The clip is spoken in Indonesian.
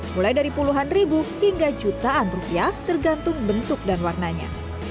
mulai dari puluhan ribu hingga jutaan rupiah tergantung bentuk dan warnanya